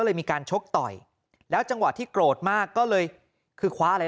เลยมีการชกต่อยแล้วจังหวะที่โกรธมากก็เลยคือคว้าอะไร